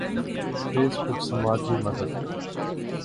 face بک سماجی مدد